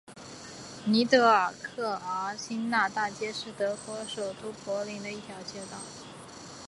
尼德尔克尔新纳大街是德国首都柏林的一条街道。